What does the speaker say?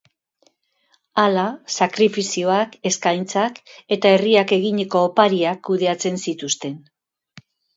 Hala, sakrifizioak, eskaintzak eta herriak eginiko opariak kudeatzen zituzten.